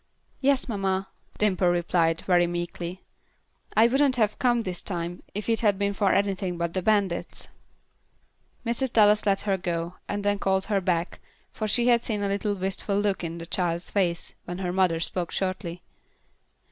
"Yes, mamma," Dimple replied, very meekly. "I wouldn't have come this time if it had been for anything but the bandits." Mrs. Dallas let her go, and then called her back, for she had seen a little wistful look in the child's face when her mother spoke shortly.